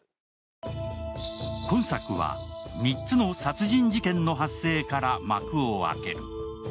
今作は、３つの殺人事件の発生から幕を開ける。